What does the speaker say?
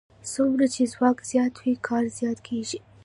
څومره چې ځواک زیات وي کار زیات کېږي.